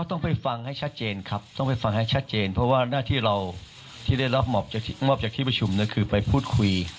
ต้องไปฟังให้ชัดเจนครับต้องไปฟังให้ชัดเจนเพราะว่าหน้าที่เราที่ได้รับมอบจากที่ประชุมคือไปพูดคุย